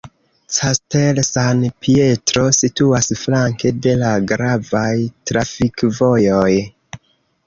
Castel San Pietro situas flanke de la gravaj trafikvojoj.